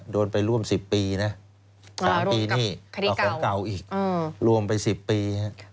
โดนไปร่วม๑๐ปีนะ๓ปีนี่เอาของเก่าอีกรวมไป๑๐ปี